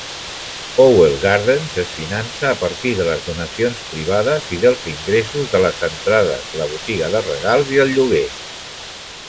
Powell Gardens és finança a partir de donacions privades i dels ingressos de les entrades, la botiga de regals i el lloguer.